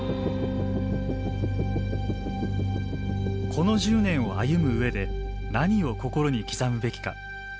この１０年を歩む上で何を心に刻むべきか。